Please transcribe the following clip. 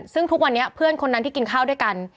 ซึ่งทุกวันนี้เพื่อนคนนั้นที่กินข้าวด้วยกัน